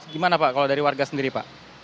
gimana pak kalau dari warga sendiri pak